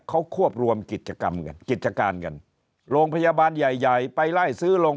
เขาควบรวมกิจกรรมกันกิจการกันโรงพยาบาลใหญ่ใหญ่ไปไล่ซื้อลง